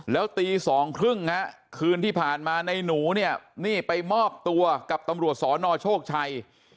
แล้วตีสองครึ่งนะครับคืนที่ผ่านบรรยากุธมาในหนูเนี่ยไปมอบตัวกับตำรวจศนโชกชัย